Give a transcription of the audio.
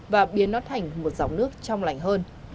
và biến nó thành một dòng nước trong lành hơn